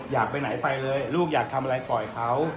อยากไปไหนไปเลยลูกอยากทำอะไรปล่อยเขา